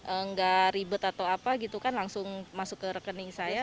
enggak ribet atau apa gitu kan langsung masuk ke rekening saya